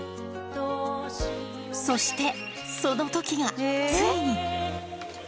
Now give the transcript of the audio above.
そして、そのときがついに。